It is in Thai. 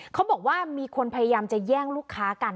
เขาบอกว่ามีคนพยายามจะแย่งลูกค้ากัน